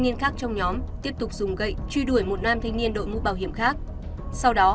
niên khác trong nhóm tiếp tục dùng gậy truy đuổi một nam thanh niên đội mũ bảo hiểm khác sau đó